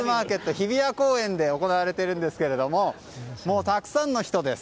日比谷公園で行われていますがたくさんの人です。